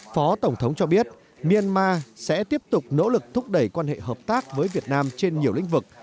phó tổng thống cho biết myanmar sẽ tiếp tục nỗ lực thúc đẩy quan hệ hợp tác với việt nam trên nhiều lĩnh vực